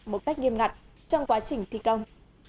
một cách nghiêm ngặt trong quá trình thi công